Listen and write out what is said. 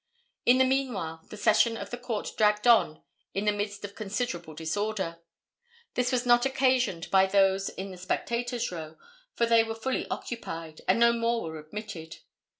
In the meanwhile the session of the court dragged on in the midst of considerable disorder. This was not occasioned by those in the spectators row, for they were fully occupied, and no more were admitted.